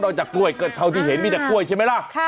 จากกล้วยก็เท่าที่เห็นมีแต่กล้วยใช่ไหมล่ะ